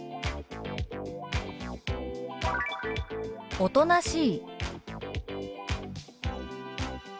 「おとなしい」。